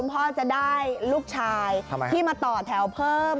พ่อจะได้ลูกชายที่มาต่อแถวเพิ่ม